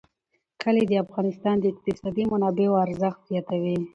کلي د افغانستان د اقتصادي منابعو ارزښت زیاتوي.